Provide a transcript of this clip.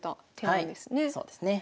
はいそうですね。